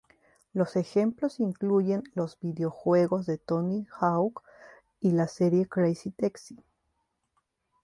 Los ejemplos incluyen los videojuegos de "Tony Hawk" y la serie "Crazy Taxi".